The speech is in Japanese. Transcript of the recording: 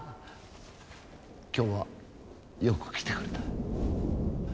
今日はよく来てくれた。